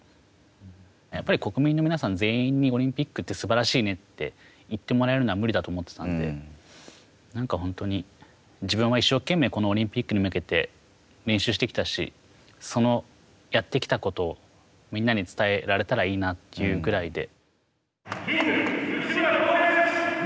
やっぱり国民の皆さん全員にオリンピックってすばらしいねって言ってもらえるのは無理だと思ってたんで、何か本当に自分は一生懸命このオリンピックに向けて練習してきたし、そのやってきたことをみんなに伝えられたらいいなというくらいで。